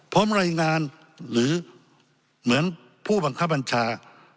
ผมรายงานหรือเหมือนผู้บังคับบัญชา